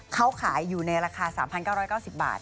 เขาขายอยู่ในราคา๓๙๙๐บาท